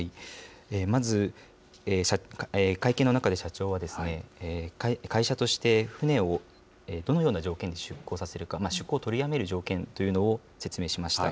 まず会見の中で社長は、会社として船をどのような条件で出航させるか、出航取りやめる条件というのを説明しました。